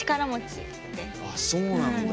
あっそうなんだ。